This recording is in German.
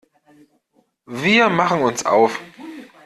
Wir machen uns auf.